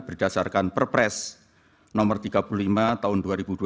berdasarkan perpres nomor tiga puluh lima tahun dua ribu dua puluh